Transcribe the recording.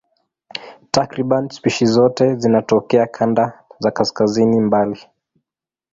Takriban spishi zote zinatokea kanda za kaskazini mbali.